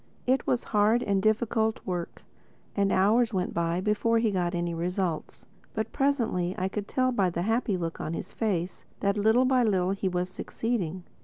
It was hard and difficult work; and hours went by before he got any results. But presently I could tell by the happy look on his face that little by little he was succeeding.